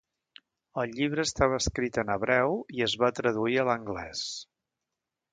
El llibre estava escrit en hebreu i es va traduir a l'anglès.